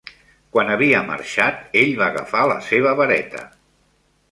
Quan havia marxat, ell va agafar la seva vareta.